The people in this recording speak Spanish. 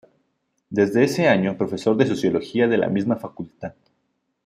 Desde ese año profesor de sociología de la misma facultad.